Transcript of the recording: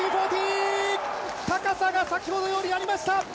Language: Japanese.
高さが先ほどよりありました！